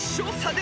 で